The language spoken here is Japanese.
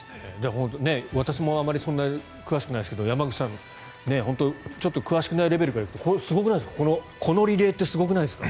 私もあまりそんなに詳しくないですけど山口さん、本当に詳しくないレベルからするとこのリレーってすごくないですか。